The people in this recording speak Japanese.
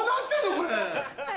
これ。